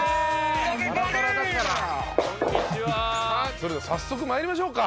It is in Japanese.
それでは早速参りましょうか。